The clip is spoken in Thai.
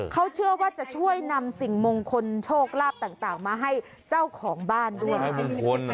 เขาเชื่อว่าจะช่วยนำสิ่งมงคลโชคลาภต่างมาให้เจ้าของบ้านด้วย